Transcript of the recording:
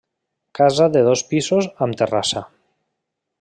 Casa de dos pisos amb terrassa.